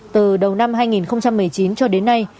từ đầu năm hai nghìn một mươi chín cho đến nay